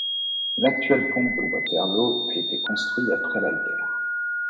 L'actuel pont de Waterloo a été construit après la guerre.